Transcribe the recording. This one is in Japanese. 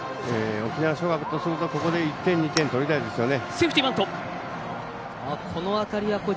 沖縄尚学とすると、ここで１点、２点取りたいですね。